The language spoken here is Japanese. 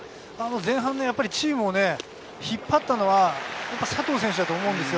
前半のチームをね、引っ張ったのは佐藤選手だと思います。